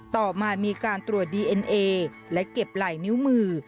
ต่อมามีการตรวจดีเอ็นเอและเก็บไหล่นิ้วมือ